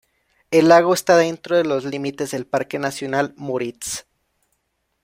El lago está dentro de los límites del Parque nacional Müritz.